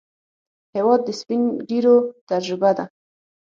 هېواد د سپینږیرو تجربه ده.